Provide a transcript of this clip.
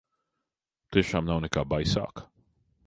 Tiešām nav nekā baisāka?